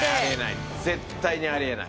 絶対にあり得ない。